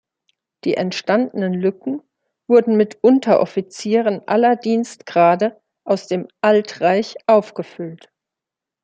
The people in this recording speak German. Die entstandenen Lücken wurden mit Unteroffizieren aller Dienstgrade aus dem „Altreich“ aufgefüllt.